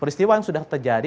peristiwa yang sudah terjadi